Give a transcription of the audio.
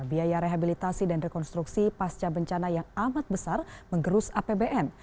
biaya rehabilitasi dan rekonstruksi pasca bencana yang amat besar menggerus apbn